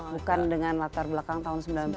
bukan dengan latar belakang tahun sembilan puluh